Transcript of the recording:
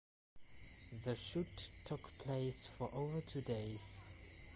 The shoot took place for over two days.